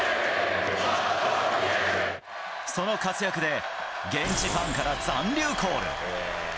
その活躍で、現地ファンから残留コール。